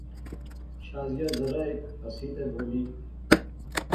شازیہ ذرا ہیک ہسی تے بولی